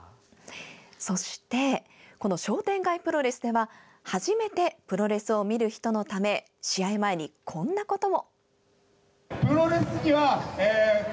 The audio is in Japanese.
そして、商店街プロレスでは初めてプロレスを見る人のため試合前にこんなことも。